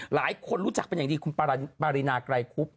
หลายคนรู้จักมันอย่างดีคุณปริณาไกลครุบ